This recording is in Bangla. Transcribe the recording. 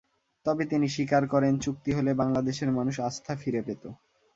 তবে তিনি স্বীকার করেন, চুক্তি হলে বাংলাদেশের মানুষ আস্থা ফিরে পেত।